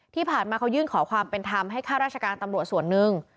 ที่ผ่านมาเขายื่นขอความเป็นธรรมให้ข้าราชการตำรวจส่วนหนึ่ง